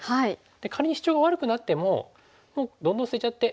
仮にシチョウが悪くなってももうどんどん捨てちゃって。